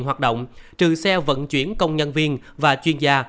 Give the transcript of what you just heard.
hoạt động trừ xe vận chuyển công nhân viên và chuyên gia